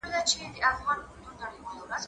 زه پرون زده کړه کوم؟!